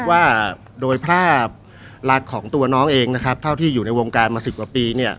ว่าโดยภาพลักษณ์ของตัวน้องเองนะครับเท่าที่อยู่ในวงการมาสิบกว่าปีเนี่ย